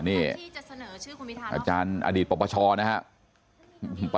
อาจารย์อดีตปกปโชน่ะนะครับ